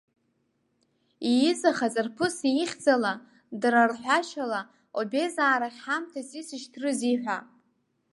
Ииз ахаҵарԥыс ихьӡала, дара рҳәашьала, обезаа рахь ҳамҭас исышьҭрызеи ҳәа.